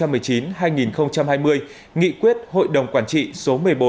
báo cáo thường niên các năm hai nghìn một mươi chín hai nghìn hai mươi nghị quyết hội đồng quản trị số một mươi bốn